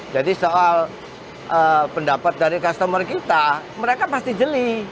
soal pendapat dari customer kita mereka pasti jeli